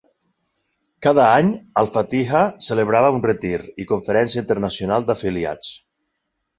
Cada any, Al-Fatiha celebrava un retir i conferència internacional d'afiliats.